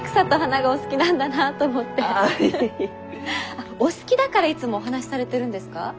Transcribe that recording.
あっお好きだからいつもお話しされてるんですか？